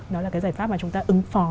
đó là cái giải pháp mà chúng ta ứng phó